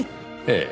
ええ。